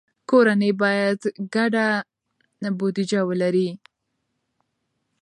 کورنۍ باید ګډه بودیجه ولري.